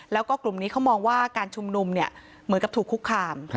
แล้วก็กลุ่มนี้เขามองว่าการชุมนุมเนี่ยเหมือนกับถูกคุกคาม